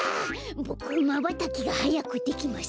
ボクまばたきがはやくできます。